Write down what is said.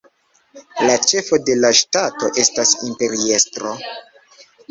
La ĉefo de la ŝtato estas imperiestro.